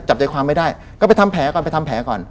จับใจความไม่ได้ก็ไปทำแผลก่อนไปทำแผลก่อน